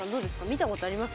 見たことあります？